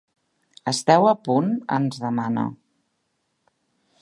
Esteu a punt? —ens demana.